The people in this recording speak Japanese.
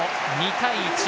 ２対１。